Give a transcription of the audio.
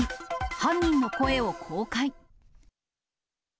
犯人の声を公開。